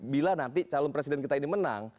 bila nanti calon presiden kita ini menang